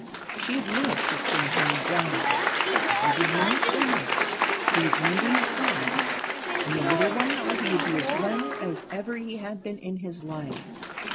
She had looked to see him die, but he did not die. He was mending fast; in a little while he would be as well as ever he had been in his life.